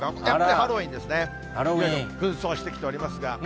ハロウィーンですね、ふん装してきておりますが。